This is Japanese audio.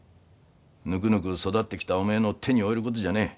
ぬくぬく育ってきたおめえの手に負えることじゃねえ。